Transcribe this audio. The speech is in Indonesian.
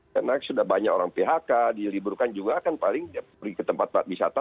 karena sudah banyak orang phk diliburkan juga kan paling pergi ke tempat tempat wisata